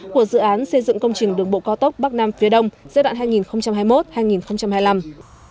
của dự án xây dựng công trình đường bộ cao tốc bắc nam phía đông giai đoạn hai nghìn hai mươi một hai nghìn hai mươi năm